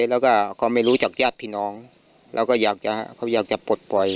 แล้วก็เขาไม่รู้จากญาติพี่น้องเราก็อยากจะเขาอยากจะปลดปล่อย